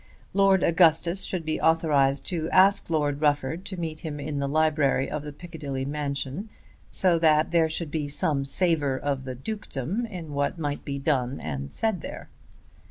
Lord Augustus should be authorised to ask Lord Rufford to meet him in the library of the Piccadilly mansion, so that there should be some savour of the dukedom in what might be done and said there.